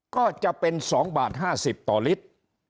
ก็จะเป็น๒บาท๕๐ต่อลิตร